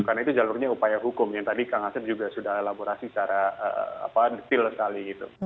karena itu jalurnya upaya hukum yang tadi kang hasir juga sudah elaborasi secara detail sekali gitu